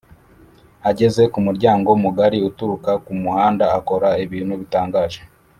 ageze ku muryango mugari uturuka ku muhanda akora ibintu bitangaje.